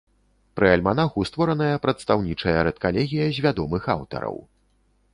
Пры альманаху створаная прадстаўнічая рэдкалегія з вядомых аўтараў.